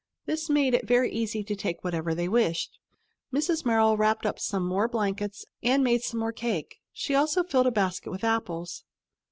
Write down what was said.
This made it very easy to take whatever they wished. Mrs. Merrill wrapped up some more blankets and made some more cake. She also filled a basket with apples.